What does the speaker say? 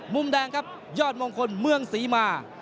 มุมแดงครับยอดมงคลเมืองศรีมา